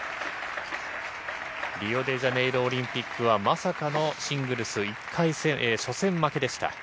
リオデジャネイロオリンピックは、まさかのシングルス初戦負けでした。